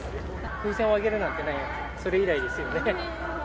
風船を上げるなんてね、それ以来ですよね。